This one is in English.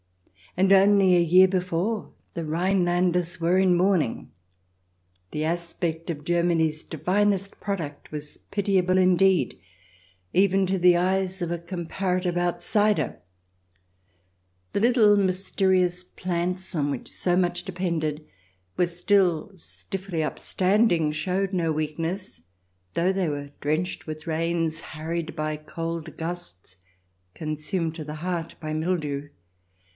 And only a year before the Rhinelanders were in mourning. The aspect of Germany's divinest product was pitiable indeed, even to the eyes of a comparative outsider. The little, mysterious plants on which so much depended were still stiffly up standing, showed no weakness, though they were drenched with rains, harried by cold gusts, con sumed to the heart by mildew.